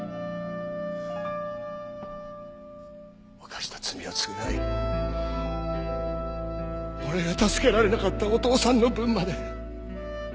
犯した罪を償い俺が助けられなかったお父さんの分まで。